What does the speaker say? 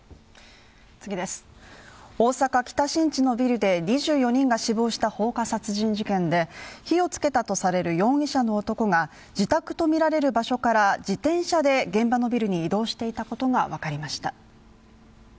大阪・北新地のビルで２４人が死亡した放火殺人事件で火をつけたとされる容疑者の男が自宅とみられる場所から自転車で現場のビルに移動していたことが分かりました。